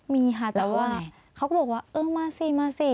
มีค่ะแต่ว่าเขาก็บอกว่าเออมาสิมาสิ